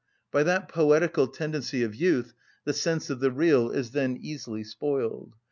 By that poetical tendency of youth the sense of the real is then easily spoiled.